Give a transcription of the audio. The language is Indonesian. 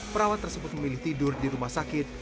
perawat tersebut memilih tidur di rumah sakit